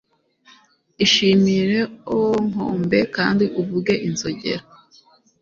ishimire o nkombe, kandi uvuge inzogera